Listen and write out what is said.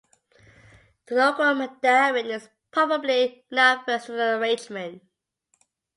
The local mandarin is probably not averse to the arrangement.